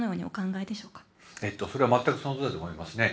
えっとそれは全くそのとおりだと思いますね。